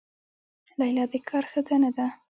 لیلا د کار ښځه نه ده.